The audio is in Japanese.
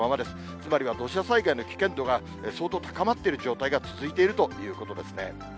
つまりは土砂災害の危険度が相当高まっている状態が続いているということですね。